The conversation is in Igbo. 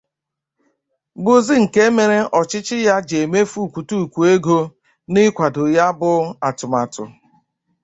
bụzị nke mere ọchịchị ya ji emefù ụkwụtụụkwụ ego n'ịkwàdo ya bụ atụmatụ.